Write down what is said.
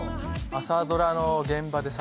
朝ドラの現場でさ